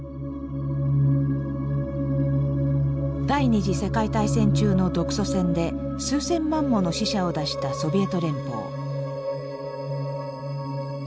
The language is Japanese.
第２次世界大戦中の独ソ戦で数千万もの死者を出したソビエト連邦。